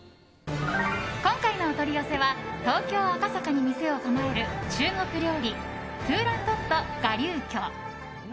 今回のお取り寄せは東京・赤坂に店を構える中国料理トゥーランドット臥龍居。